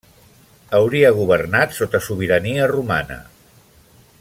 Hauria governat sota sobirania romana.